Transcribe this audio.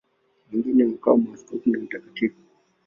Wengine wakawa maaskofu na watakatifu.